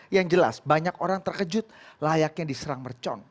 yang jelas banyak orang terkejut layaknya diserang mercon